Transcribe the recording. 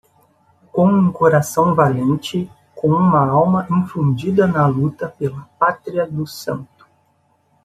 Com um coração valente, com uma alma infundida na luta pela pátria do santo!